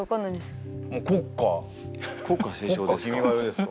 国歌斉唱ですか？